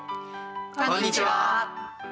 こんにちは。